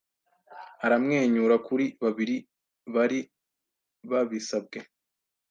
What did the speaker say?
Aramwenyura kuri babiri bari babisabwe